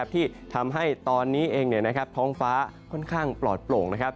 ที่ทำให้ตอนนี้เองท้องฟ้าค่อนข้างปลอดโปร่ง